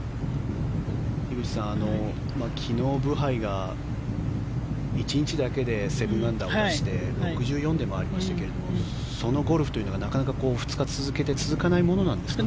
樋口さん、昨日ブハイが１日だけで７アンダーを出して６４で回りましたけどそのゴルフというのがなかなか２日続けて続かないものなんですか。